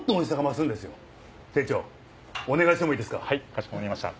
かしこまりました。